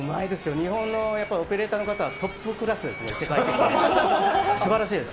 日本のオペレーターの方はトップクラスですね、世界的にも。すばらしいです。